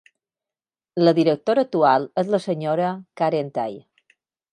La directora actual és la sra. Karen Tay.